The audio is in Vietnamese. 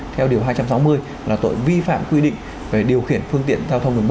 theo điều hai trăm sáu mươi là tội vi phạm quy định về điều khiển phương tiện giao thông đường bộ